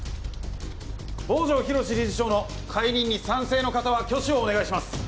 坊城寛理事長の解任に賛成の方は挙手をお願いします